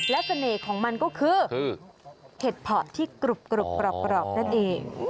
และเสน่ห์ของมันก็คือเห็ดเพาะที่กรุบกรอบนั่นเอง